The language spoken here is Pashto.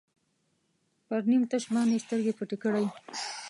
پر نیم تش باندې سترګې پټې کړئ.